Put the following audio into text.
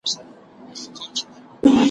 نه بچی وي د کارګه چاته منلی ,